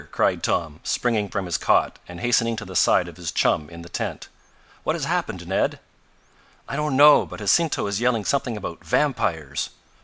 cried Tom springing from his cot and hastening to the side of his chum in the tent. "What has happened, Ned?" "I don't know, but Jacinto is yelling something about vampires!"